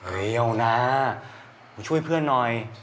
เอ๊ยเอานะกูช่วยเพื่อนหน่อย